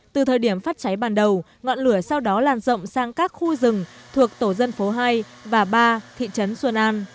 từ thời điểm phát cháy ban đầu ngọn lửa sau đó làn rộng sang các khu rừng thuộc tổ dân phố hai và ba thị trấn xuân an